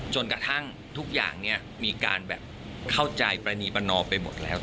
จนกระทั่งทุกอย่างมีการแบบเข้าใจปรณีประนอมไปหมดแล้ว